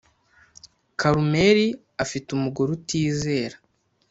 Karumeri afite umugore utizera